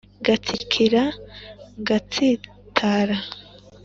Ngatsikira ngatsitara